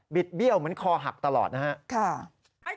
ดเบี้ยวเหมือนคอหักตลอดนะครับ